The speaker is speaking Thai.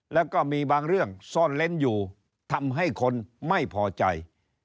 แล้วก็มีบางเรื่องซ่อนเล้นอยู่ทำให้คนไม่พอใจ